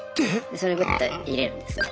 それグッと入れるんですね。